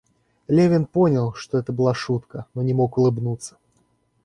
Левин понял, что это была шутка, но не мог улыбнуться.